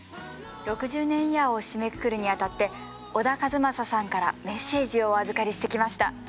６０年イヤーを締めくくるにあたって小田和正さんからメッセージをお預かりしてきました。